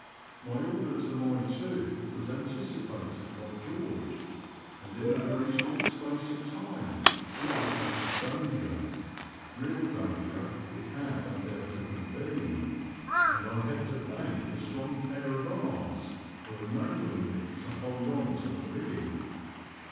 My order to lie to was anticipated by GeorgOi and in a very short space of time we were out of danger — ^real danger it had undoubtedly been, and I have to thank a strong pair of arms for enabling me to hold on to the rigging.